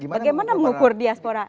bagaimana mengukur diaspora